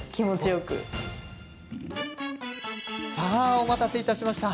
お待たせいたしました。